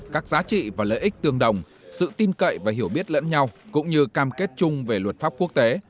các giá trị và lợi ích tương đồng sự tin cậy và hiểu biết lẫn nhau cũng như cam kết chung về luật pháp quốc tế